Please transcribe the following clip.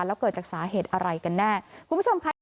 แล้วเกิดจากสาเหตุอะไรกันแน่คุณผู้ชมค่ะ